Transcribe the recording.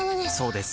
そうです